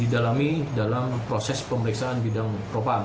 adalah hal yang sangat penting untuk memperbaiki keadaan pampung dan jawa barat